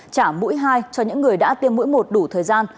trả mũi hai cho những người đã tiêm mũi một đủ thời gian